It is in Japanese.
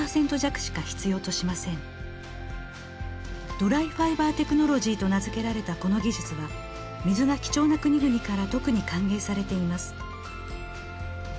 ドライファイバーテクノロジーと名付けられたこの技術は水が貴重な国々から特に歓迎されています。